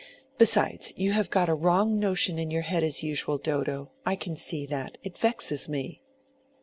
Besides, you have got a wrong notion in your head as usual, Dodo—I can see that: it vexes me."